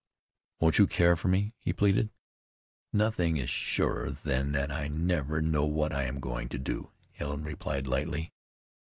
"Won't you care for me?" he pleaded. "Nothing is surer than that I never know what I am going to do," Helen replied lightly.